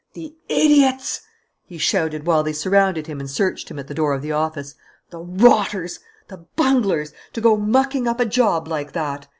"The idiots!" he shouted, while they surrounded him and searched him at the door of the office. "The rotters! The bunglers! To go mucking up a job like that!